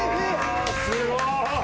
すごい！